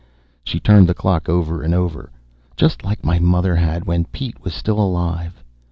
She turned the clock over and over. "Just like my mother had, when Pete was still alive."